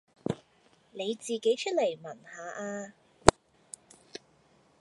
你自己出嚟聞吓呀